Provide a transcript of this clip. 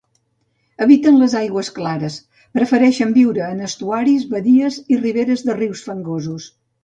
Eviten les aigües clares, prefereixen viure en estuaris, badies i riberes de rius fangosos.